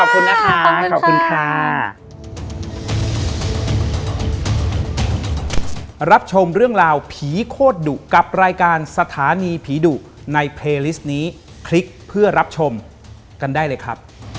สวัสดีนะคะสวัสดีค่ะขอบคุณค่ะ